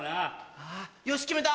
よし決めた！